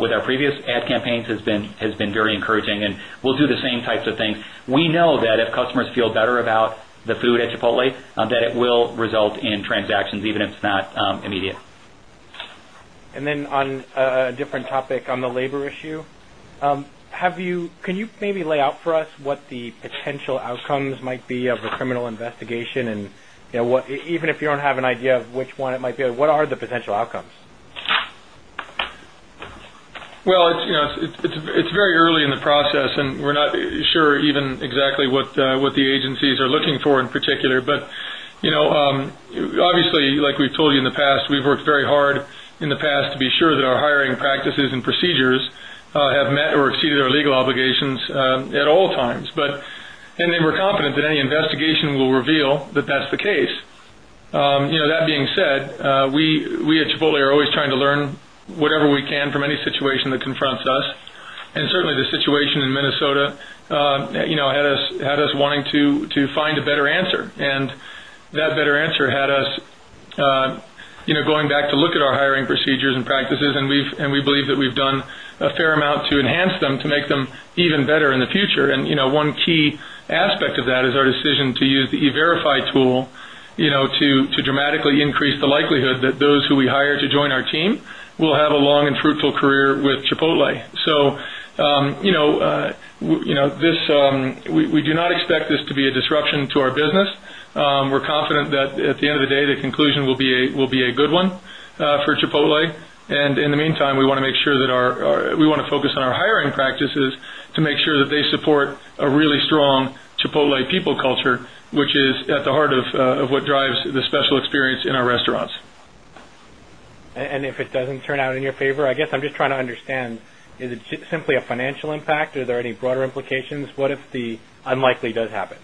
with our previous ad campaigns has been very encouraging, and we'll do the same types of things. We know that if customers feel better about the food at Chipotle, it will result in transactions, even if it's not immediate. On a different topic, on the labor issue, can you maybe lay out for us what the potential outcomes might be of the criminal investigation? Even if you don't have an idea of which one it might be, what are the potential outcomes? It's very early in the process, and we're not sure even exactly what the agencies are looking for in particular. Obviously, like we've told you in the past, we've worked very hard in the past to be sure that our hiring practices and procedures have met or exceeded our legal obligations at all times. We're confident that any investigation will reveal that that's the case. That being said, we at Chipotle are always trying to learn whatever we can from any situation that confronts us. Certainly, the situation in Minnesota had us wanting to find a better answer. That better answer had us going back to look at our hiring procedures and practices, and we believe that we've done a fair amount to enhance them to make them even better in the future. One key aspect of that is our decision to use the E-Verify tool to dramatically increase the likelihood that those who we hire to join our team will have a long and fruitful career with Chipotle. We do not expect this to be a disruption to our business. We're confident that at the end of the day, the conclusion will be a good one for Chipotle. In the meantime, we want to make sure that we want to focus on our hiring practices to make sure that they support a really strong Chipotle people culture, which is at the heart of what drives the special experience in our restaurants. If it doesn't turn out in your favor, I'm just trying to understand, is it simply a financial impact? Are there any broader implications? What if the unlikely does happen?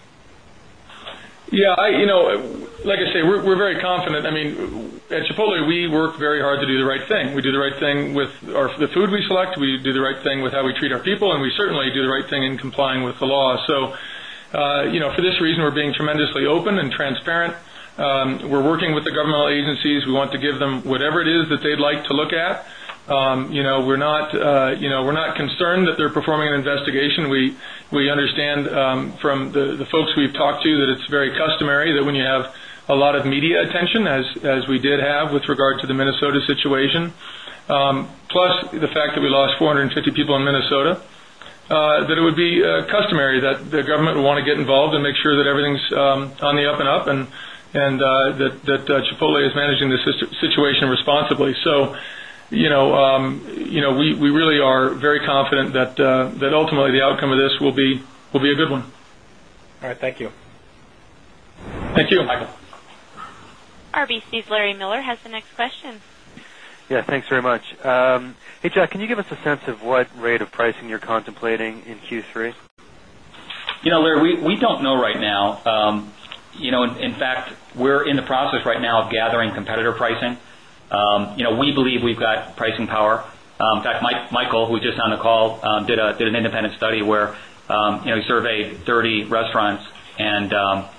Yeah, you know, like I say, we're very confident. I mean, at Chipotle, we work very hard to do the right thing. We do the right thing with the food we select. We do the right thing with how we treat our people, and we certainly do the right thing in complying with the law. For this reason, we're being tremendously open and transparent. We're working with the governmental agencies. We want to give them whatever it is that they'd like to look at. We're not concerned that they're performing an investigation. We understand from the folks we've talked to that it's very customary that when you have a lot of media attention, as we did have with regard to the Minnesota situation, plus the fact that we lost 450 people in Minnesota, that it would be customary that the government would want to get involved and make sure that everything's on the up and up and that Chipotle is managing the situation responsibly. We really are very confident that ultimately the outcome of this will be a good one. All right, thank you. Thank you. RBC's Larry Miller has the next question. Yeah, thanks very much. Hey, Jack, can you give us a sense of what rate of pricing you're contemplating in Q3? You know, Larry, we don't know right now. In fact, we're in the process right now of gathering competitor pricing. We believe we've got pricing power. In fact, Michael, who just on the call, did an independent study where he surveyed 30 restaurants on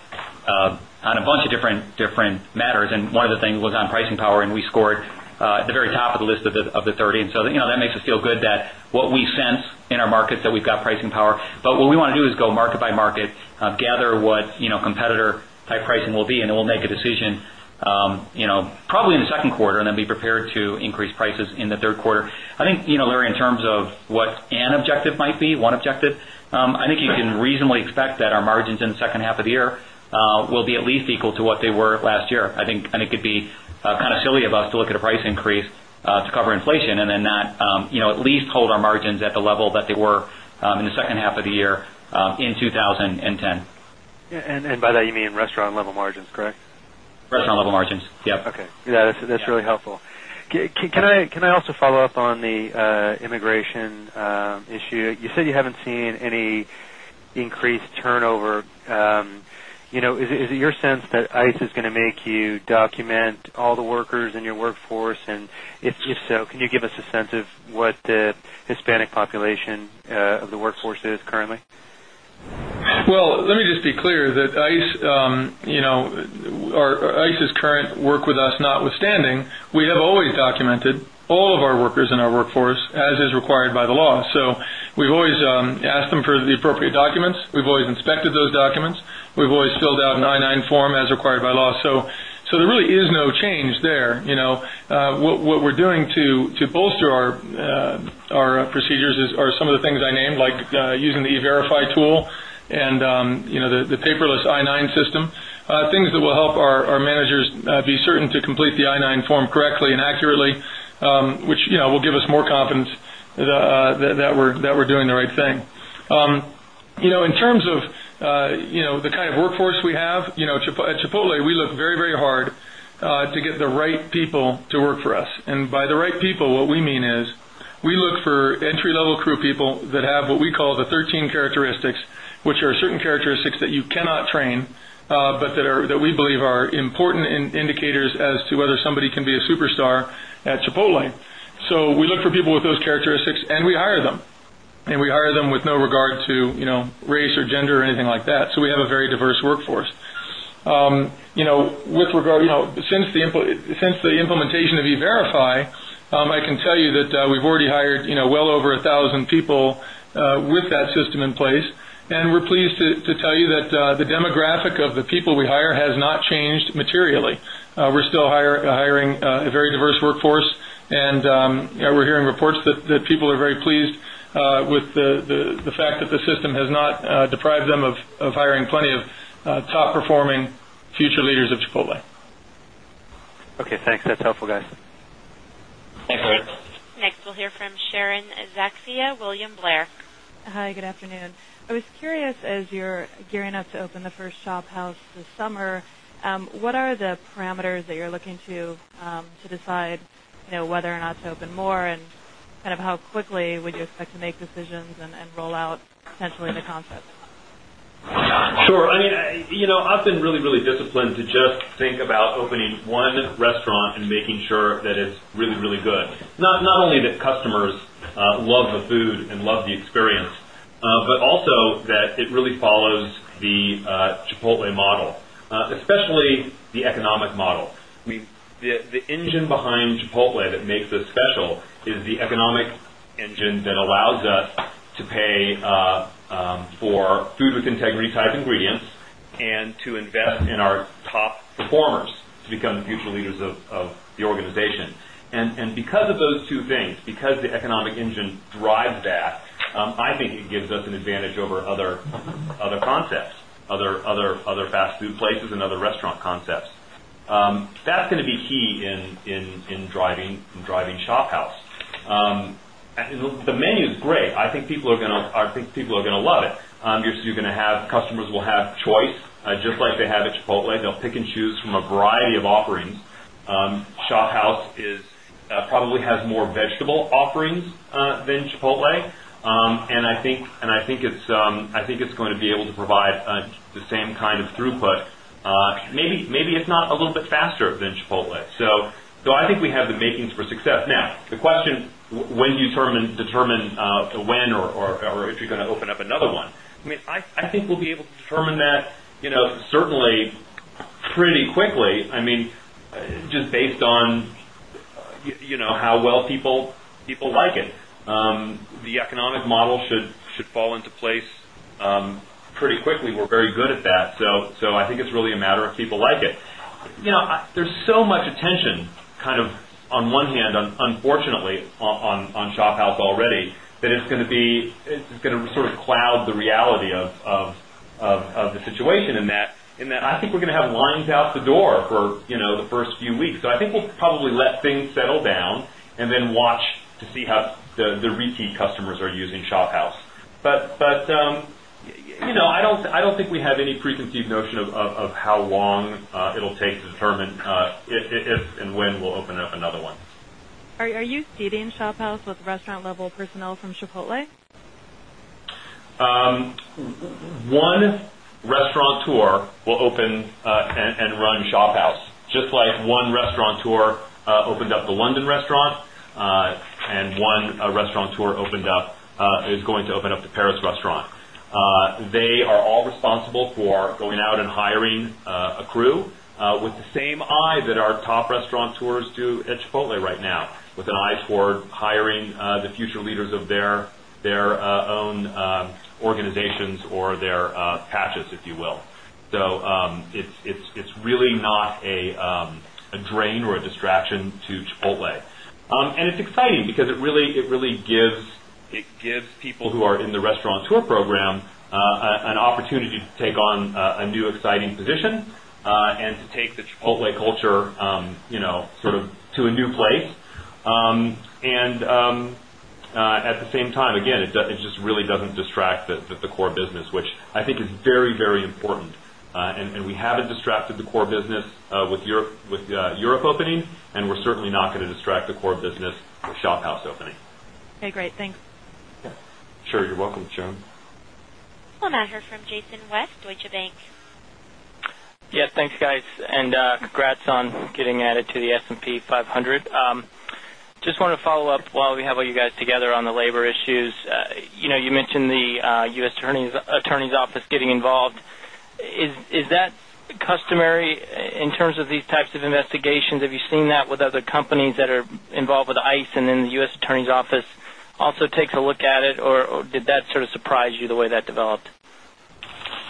a bunch of different matters, and one of the things was on pricing power, and we scored at the very top of the list of the 30. That makes us feel good that what we sense in our markets that we've got pricing power. What we want to do is go market by market, gather what competitor type pricing will be, and then we'll make a decision, probably in the second quarter and then be prepared to increase prices in the third quarter. I think, Larry, in terms of what an objective might be, one objective, I think you can reasonably expect that our margins in the second half of the year will be at least equal to what they were last year. I think it'd be kind of silly of us to look at a price increase to cover inflation and then not at least hold our margins at the level that they were in the second half of the year in 2010. By that, you mean restaurant-level margins, correct? Restaurant-level margins, yep. Okay, that's really helpful. Can I also follow up on the immigration issue? You said you haven't seen any increased turnover. Is it your sense that U.S. Immigration and Customs Enforcement is going to make you document all the workers in your workforce? If so, can you give us a sense of what the Hispanic population of the workforce is currently? Let me just be clear that ICE's current work with us, notwithstanding, we have always documented all of our workers in our workforce as is required by the law. We have always asked them for the appropriate documents. We have always inspected those documents. We have always filled out an I-9 Form as required by law. There really is no change there. What we are doing to bolster our procedures are some of the things I named, like using the E-Verify tool and the paperless I-9 system, things that will help our managers be certain to complete the I-9 Form correctly and accurately, which will give us more confidence that we are doing the right thing. In terms of the kind of workforce we have at Chipotle, we look very, very hard to get the right people to work for us. By the right people, what we mean is we look for entry-level crew people that have what we call the 13 characteristics, which are certain characteristics that you cannot train, but that we believe are important indicators as to whether somebody can be a superstar at Chipotle. We look for people with those characteristics and we hire them. We hire them with no regard to race or gender or anything like that. We have a very diverse workforce. Since the implementation of E-Verify, I can tell you that we have already hired well over 1,000 people with that system in place. We are pleased to tell you that the demographic of the people we hire has not changed materially. We are still hiring a very diverse workforce. We are hearing reports that people are very pleased with the fact that the system has not deprived them of hiring plenty of top-performing future leaders of Chipotle. Okay, thanks. That's helpful, guys. Thanks, Larry. Next, we'll hear from Sharon Zackfia, William Blair. Hi, good afternoon. I was curious, as you're gearing up to open the first ShopHouse this summer, what are the parameters that you're looking to decide whether or not to open more and kind of how quickly would you expect to make decisions and roll out potentially the concept? Sure. I mean, you know, I've been really, really disciplined to just think about opening one restaurant and making sure that it's really, really good. Not only that customers love the food and love the experience, but also that it really follows the Chipotle model, especially the economic model. I mean, the engine behind Chipotle that makes us special is the economic engine that allows us to pay for food with integrity type ingredients and to invest in our top performers to become the future leaders of the organization. Because of those two things, because the economic engine drives that, I think it gives us an advantage over other concepts, other fast food places and other restaurant concepts. That's going to be key in driving ShopHouse. The menu is great. I think people are going to love it. You're going to have customers who will have choice, just like they have at Chipotle. They'll pick and choose from a variety of offerings. ShopHouse probably has more vegetable offerings than Chipotle. I think it's going to be able to provide the same kind of throughput. Maybe it's a little bit faster than Chipotle. I think we have the makings for success. Now, the question, when do you determine when or if you're going to open up another one? I think we'll be able to determine that, you know, certainly pretty quickly. I mean, just based on how well people like it. The economic model should fall into place pretty quickly. We're very good at that. I think it's really a matter of people like it. You know, there's so much attention, kind of on one hand, unfortunately, on ShopHouse already that it's going to sort of cloud the reality of the situation in that I think we're going to have lines out the door for the first few weeks. I think we'll probably let things settle down and then watch to see how the repeat customers are using ShopHouse. I don't think we have any preconceived notion of how long it'll take to determine if and when we'll open up another one. Are you seating ShopHouse with restaurant-level personnel from Chipotle? One restaurateur will open and run ShopHouse, just like one restaurateur opened up the London restaurant, and one restaurateur is going to open up the Paris restaurant. They are all responsible for going out and hiring a crew with the same eye that our top restaurateurs do at Chipotle right now, with an eye toward hiring the future leaders of their own organizations or their patches, if you will. It is really not a drain or a distraction to Chipotle. It is exciting because it really gives people who are in the restaurateur program an opportunity to take on a new exciting position and to take the Chipotle culture, you know, sort of to a new place. At the same time, again, it just really doesn't distract the core business, which I think is very, very important. We haven't distracted the core business with Europe opening, and we're certainly not going to distract the core business with ShopHouse opening. Okay, great. Thanks. Sure, you're welcome, Sharon. I'll now hear from Jason West, Deutsche Bank. Yeah, thanks, guys. Congrats on getting added to the S&P 500. I just want to follow up while we have all you guys together on the labor issues. You know, you mentioned the U.S. Attorney's Office getting involved. Is that customary in terms of these types of investigations? Have you seen that with other companies that are involved with ICE and then the U.S. Attorney's Office also takes a look at it, or did that sort of surprise you the way that developed?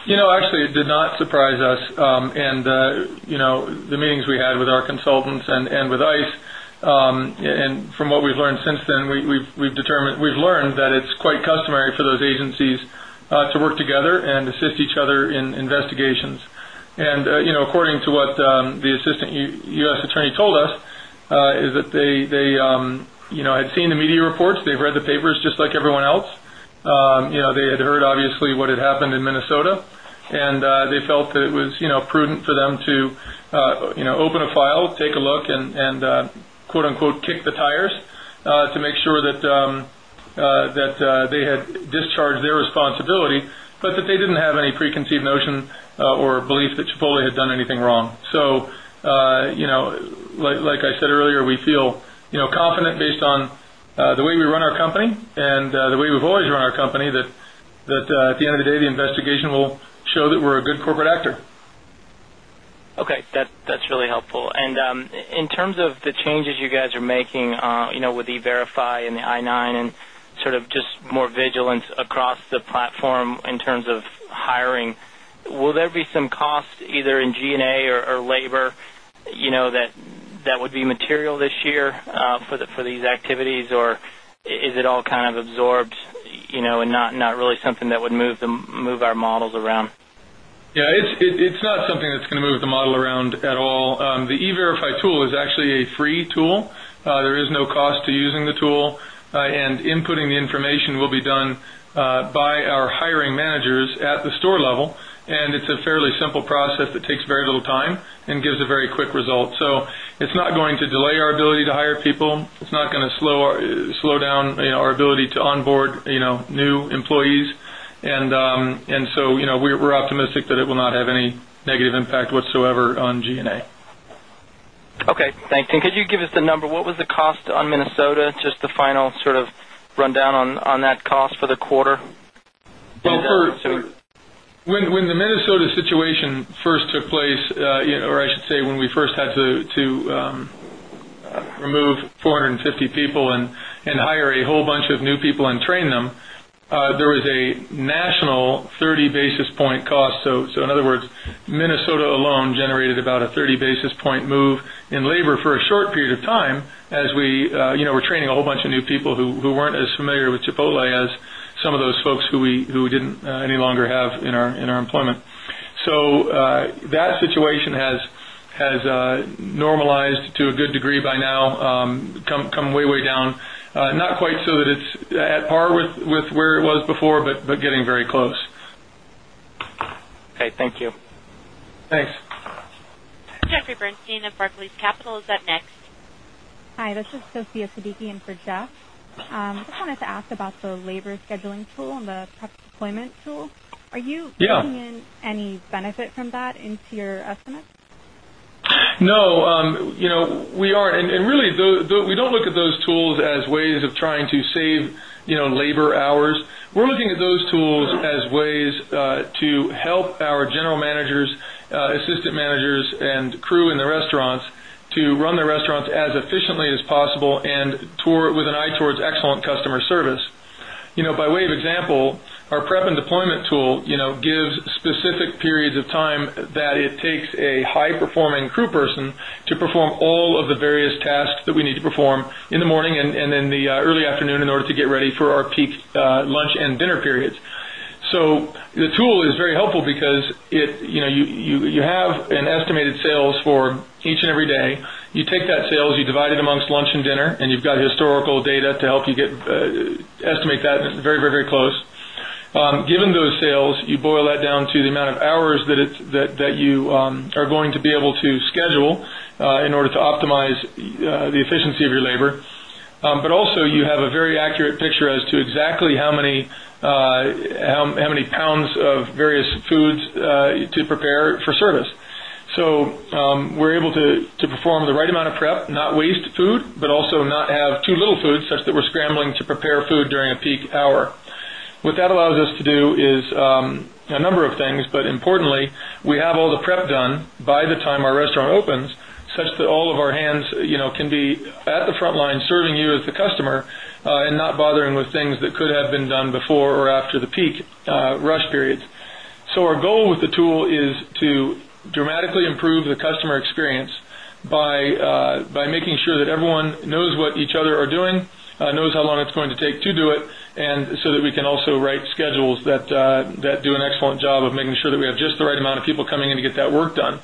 Actually, it did not surprise us. The meetings we had with our consultants and with U.S. Immigration and Customs Enforcement, and from what we've learned since then, we've learned that it's quite customary for those agencies to work together and assist each other in investigations. According to what the Assistant U.S. Attorney told us, they had seen the media reports, they've read the papers just like everyone else. They had heard obviously what had happened in Minnesota. They felt that it was prudent for them to open a file, take a look, and "kick the tires" to make sure that they had discharged their responsibility, but that they didn't have any preconceived notion or belief that Chipotle Mexican Grill had done anything wrong. Like I said earlier, we feel confident based on the way we run our company and the way we've always run our company that at the end of the day, the investigation will show that we're a good corporate actor. Okay, that's really helpful. In terms of the changes you guys are making, you know, with E-Verify and the I-9 and sort of just more vigilance across the platform in terms of hiring, will there be some cost either in G&A or labor, you know, that would be material this year for these activities, or is it all kind of absorbed, you know, and not really something that would move our models around? Yeah, it's not something that's going to move the model around at all. The E-Verify tool is actually a free tool. There is no cost to using the tool. Inputting the information will be done by our hiring managers at the store level. It's a fairly simple process that takes very little time and gives a very quick result. It's not going to delay our ability to hire people or slow down our ability to onboard new employees. We're optimistic that it will not have any negative impact whatsoever on G&A. Okay, thanks. Could you give us the number? What was the cost on Minnesota? Just the final sort of rundown on that cost for the quarter? When the Minnesota situation first took place, or I should say when we first had to remove 450 people and hire a whole bunch of new people and train them, there was a national 30 basis point cost. In other words, Minnesota alone generated about a 30 basis point move in labor for a short period of time as we were training a whole bunch of new people who weren't as familiar with Chipotle as some of those folks who we didn't any longer have in our employment. That situation has normalized to a good degree by now, come way, way down. Not quite so that it's at par with where it was before, but getting very close. Okay, thank you. Thanks. Jeffrey Bernstein of Barclays Bank PLC is up next. Hi, this is Sophia Siddiqui in Bridge. I just wanted to ask about the labor scheduling tool and the prep deployment tool. Are you putting in any benefit from that into your estimate? No, you know, we aren't. We don't look at those tools as ways of trying to save, you know, labor hours. We're looking at those tools as ways to help our General Managers, Assistant Managers, and crew in the restaurants to run their restaurants as efficiently as possible and with an eye towards excellent customer service. By way of example, our prep and deployment tool gives specific periods of time that it takes a high-performing crew person to perform all of the various tasks that we need to perform in the morning and in the early afternoon in order to get ready for our peak lunch and dinner periods. The tool is very helpful because you have an estimated sales for each and every day. You take that sales, you divide it amongst lunch and dinner, and you've got historical data to help you estimate that very, very, very close. Given those sales, you boil that down to the amount of hours that you are going to be able to schedule in order to optimize the efficiency of your labor. You also have a very accurate picture as to exactly how many pounds of various foods to prepare for service. We're able to perform the right amount of prep, not waste food, but also not have too little food such that we're scrambling to prepare food during a peak hour. What that allows us to do is a number of things. Importantly, we have all the prep done by the time our restaurant opens, such that all of our hands can be at the front line serving you as the customer and not bothering with things that could have been done before or after the peak rush periods. Our goal with the tool is to dramatically improve the customer experience by making sure that everyone knows what each other is doing, knows how long it's going to take to do it, and so that we can also write schedules that do an excellent job of making sure that we have just the right amount of people coming in to get that work done.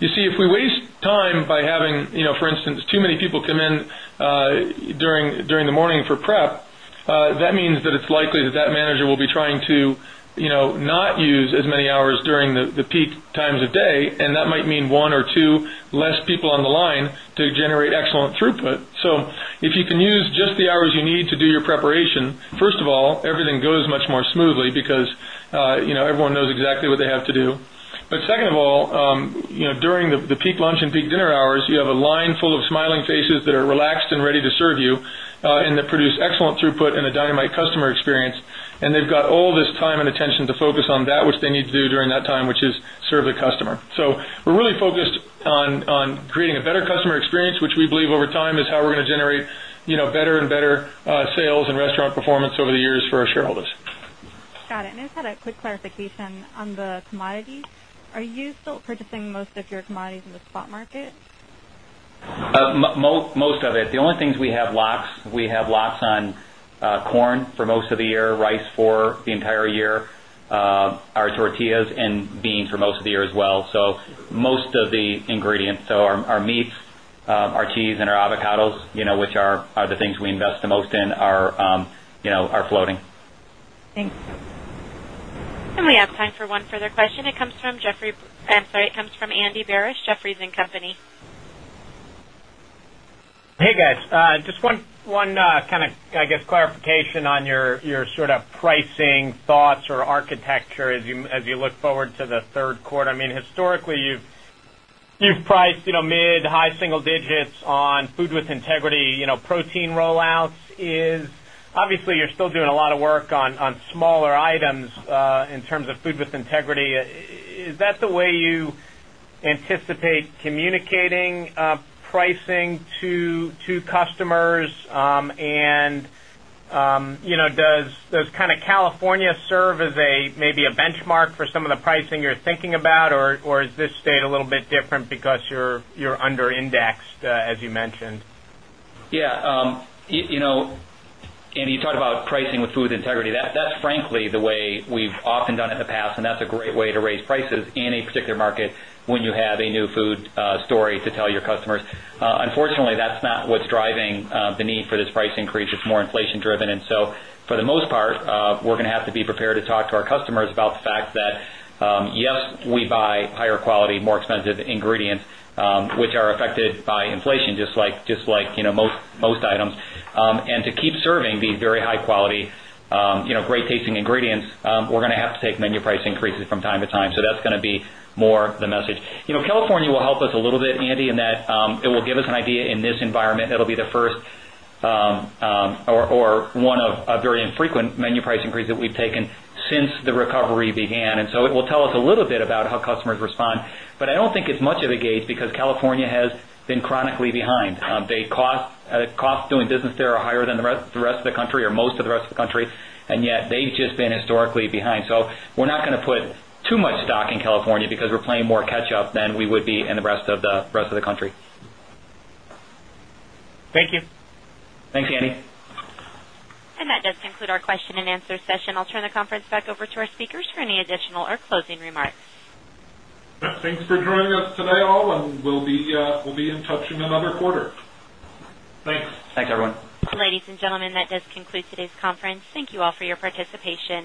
If we waste time by having, you know, for instance, too many people come in during the morning for prep, that means that it's likely that that manager will be trying to, you know, not use as many hours during the peak times of day, and that might mean one or two less people on the line to generate excellent throughput. If you can use just the hours you need to do your preparation, first of all, everything goes much more smoothly because, you know, everyone knows exactly what they have to do. Second of all, during the peak lunch and peak dinner hours, you have a line full of smiling faces that are relaxed and ready to serve you and that produce excellent throughput and a dynamite customer experience. They've got all this time and attention to focus on that, which they need to do during that time, which is serve the customer. We're really focused on creating a better customer experience, which we believe over time is how we're going to generate better and better sales and restaurant performance over the years for our shareholders. Got it. I just had a quick clarification on the commodity. Are you still purchasing most of your commodities in the spot market? Most of it. The only things we have locks, we have locks on corn for most of the year, rice for the entire year, our tortillas, and beans for most of the year as well. Most of the ingredients, our meats, our cheese, and our avocados, you know, which are the things we invest the most in, are floating. Thanks. We have time for one further question. It comes from Andy Barish, Jefferies and Company. Hey guys, just one clarification on your sort of pricing thoughts or architecture as you look forward to the third quarter. Historically, you've priced mid-high single digits on food with integrity, protein rollouts. Obviously, you're still doing a lot of work on smaller items in terms of food with integrity. Is that the way you anticipate communicating pricing to customers? Does California serve as maybe a benchmark for some of the pricing you're thinking about, or is this state a little bit different because you're under-indexed, as you mentioned? Yeah, you know, Andy, you talked about pricing with food integrity. That's frankly the way we've often done it in the past, and that's a great way to raise prices in a particular market when you have a new food story to tell your customers. Unfortunately, that's not what's driving the need for this price increase. It's more inflation-driven. For the most part, we're going to have to be prepared to talk to our customers about the fact that, yes, we buy higher quality, more expensive ingredients, which are affected by inflation, just like most items. To keep serving these very high quality, great tasting ingredients, we're going to have to take menu price increases from time to time. That's going to be more the message. California will help us a little bit, Andy, in that it will give us an idea in this environment. It'll be the first or one of a very infrequent menu price increase that we've taken since the recovery began. It will tell us a little bit about how customers respond. I don't think it's much of a gauge because California has been chronically behind. The costs doing business there are higher than the rest of the country or most of the rest of the country. Yet, they've just been historically behind. We're not going to put too much stock in California because we're playing more catch-up than we would be in the rest of the country. Thank you. Thanks, Andy. That does conclude our question and answer session. I'll turn the conference back over to our speakers for any additional or closing remarks. Thanks for joining us today, all, and we'll be in touch in another quarter. Thanks. Thanks, everyone. Ladies and gentlemen, that does conclude today's conference. Thank you all for your participation.